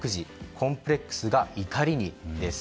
コンプレックスが怒りにです。